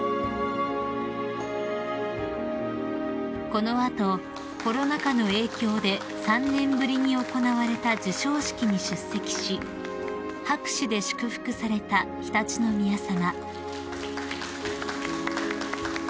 ［この後コロナ禍の影響で３年ぶりに行われた授賞式に出席し拍手で祝福された常陸宮さま］